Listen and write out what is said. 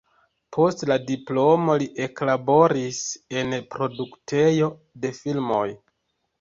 Post la diplomo li eklaboris en produktejo de filmoj.